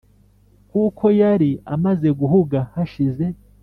kuko yari amaze guhuga hashize